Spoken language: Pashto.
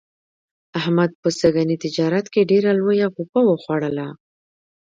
احمد په سږني تجارت کې ډېره لویه غوپه و خوړله.